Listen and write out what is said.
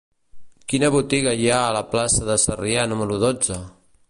Quina botiga hi ha a la plaça de Sarrià número dotze?